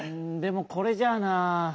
んでもこれじゃあなぁ。